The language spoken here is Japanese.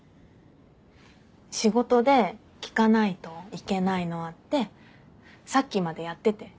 仕事で聴かないといけないのあってさっきまでやってて。